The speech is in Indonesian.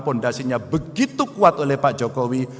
fondasinya begitu kuat oleh pak jokowi